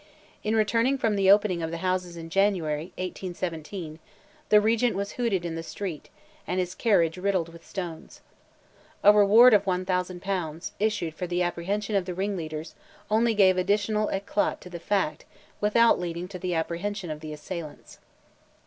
In returning from the opening of the Houses in January, 1817, the Regent was hooted in the street, and his carriage riddled with stones. A reward of 1,000 pounds, issued for the apprehension of the ringleaders, only gave additional éclat to the fact, without leading to the apprehension of the assailants.